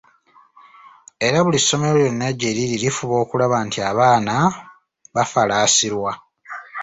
Era buli ssomero lyonna gye liri, lifuba okulaba nti abaana bafalaasirwa